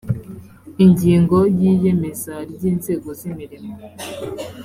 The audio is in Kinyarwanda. ingingo ya iyemeza ry inzego z imirimo